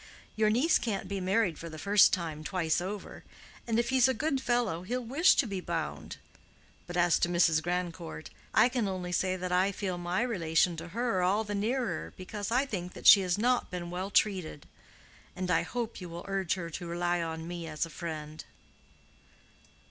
Your niece can't be married for the first time twice over. And if he's a good fellow, he'll wish to be bound. But as to Mrs. Grandcourt, I can only say that I feel my relation to her all the nearer because I think that she has not been well treated. And I hope you will urge her to rely on me as a friend."